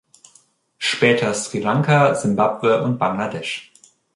Später Sri Lanka, Simbabwe und Bangladesch.